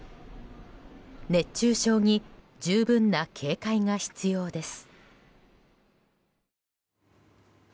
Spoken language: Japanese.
熱中症に十分な警戒が必要です。